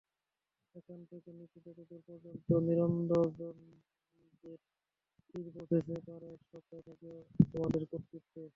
এখান থেকে নিচে যতদূর পর্যন্ত তীরন্দাজদের তীর পৌঁছতে পারে সবটাই থাকবে তোমাদের কর্তৃত্বে।